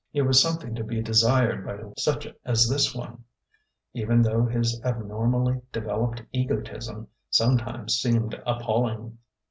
It was something to be desired by such as this one, even though his abnormally developed egotism sometimes seemed appalling.